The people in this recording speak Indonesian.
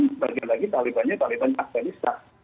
sebagian lagi taliban nya taliban afghanistan